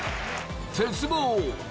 鉄棒。